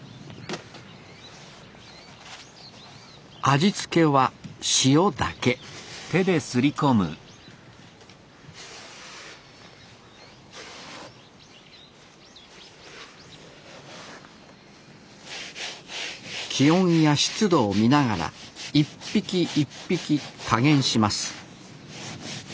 味付けは塩だけ気温や湿度を見ながら一匹一匹加減します